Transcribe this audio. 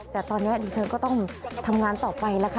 แต่ตอนนี้ดิฉันก็ต้องทำงานต่อไปแล้วค่ะ